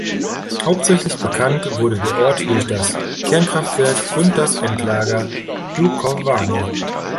Hauptsächlich bekannt wurde der Ort durch das Kernkraftwerk und das Endlager Dukovany.